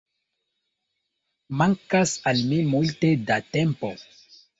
Mankas al mi multe da tempo